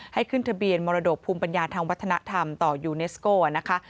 ให้ขึ้นทะเบียนมรดกภูมิปัญญาทางวัฒนธรรมต่อยูเนสโก้นะคะ